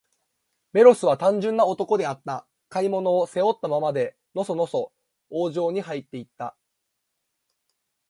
メロスは、単純な男であった。買い物を、背負ったままで、のそのそ王城にはいって行った。